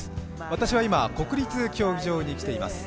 私は今、国立競技場に来ています。